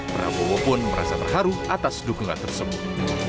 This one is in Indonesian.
prabowo pun merasa terharu atas dukungan tersebut